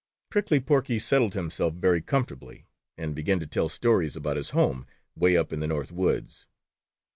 Prickly Porky settled himself very comfortably and began to tell stories about his home, way up in the North Woods.